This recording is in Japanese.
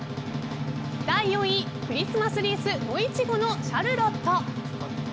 第４位、クリスマスリース野いちごのシャルロット。